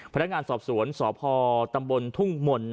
พนักงานสอบสวนสพตำบลทุ่งมนต์